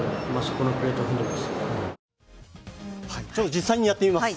実際にやってみます。